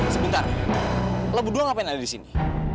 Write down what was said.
sebentar lo berdua ngapain ada di sini